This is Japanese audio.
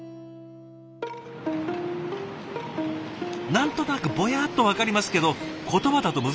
何となくボヤッと分かりますけど言葉だと難しい。